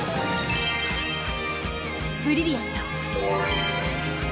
ブリリアント！